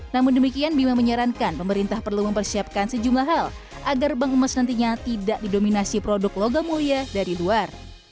namun demikian bima menyarankan pemerintah perlu mempersiapkan sejumlah hal agar bank emas nantinya tidak didominasi produk logam mulia dari luar